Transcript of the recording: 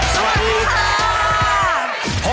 สวัสดีค่ะ